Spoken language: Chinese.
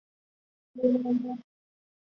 曾获美国国家艺术基金。